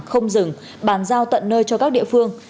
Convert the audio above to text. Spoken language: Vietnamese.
không dừng bàn giao tận nơi cho các địa phương